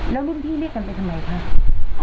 แล้วรุ่นพี่เรียกกันไปทำไมคะ